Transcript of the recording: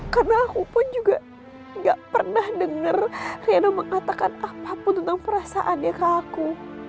karena aku pun juga gak pernah denger reno mengatakan apapun tentang perasaan dia ke aku